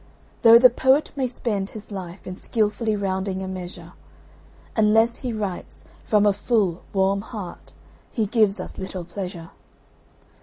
Though the poet may spend his life in skilfully rounding a measure, Unless he writes from a full, warm heart he gives us little pleasure.